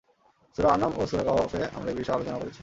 সূরা আনআম ও সূরা কাহফে আমরা এ বিষয়ে আলোচনা করেছি।